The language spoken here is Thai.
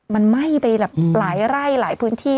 มันไหม้ไปแบบหลายไร่หลายพื้นที่